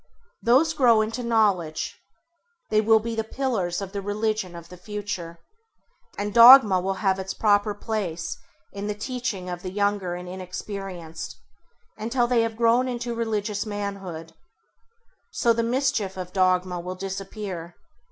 Those grow into knowledge; they will be the pillars of the religion of the future: and dogma will have its proper place in the teaching of the younger and inexperienced, until they have grown into religious manhood. So the mischief of dogma will disappear.